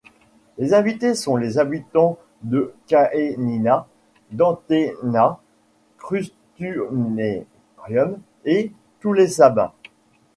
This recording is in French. Les invités sont les habitants de Caenina, d'Antemnae, Crustumerium et tous les Sabins.